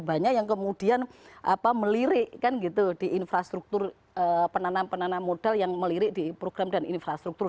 banyak yang kemudian melirik kan gitu di infrastruktur penanam penanam modal yang melirik di program dan infrastruktur